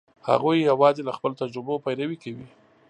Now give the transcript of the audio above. هغوی یواځې له خپلو تجربو پیروي کوي.